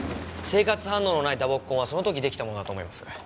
生活反応のない打撲痕はその時出来たものだと思います。